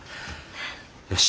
よし。